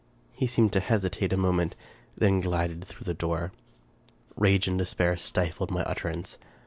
He seemed to hesitate a moment, — then glided through the door. Rage and despair stifled my utterance.